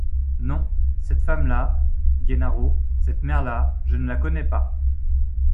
Non, cette femme-là, Gennaro, cette mère-là, je ne la connais pas!